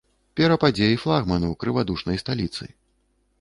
Перападзе і флагману, крывадушнай сталіцы.